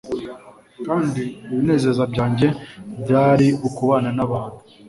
Kandi ibinezeza byanjye byari ukubana nabantu